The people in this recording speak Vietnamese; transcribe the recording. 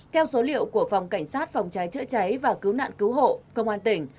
theo số liệu của phòng cảnh sát phòng cháy chữa cháy và cứu nạn cứu hộ công an tỉnh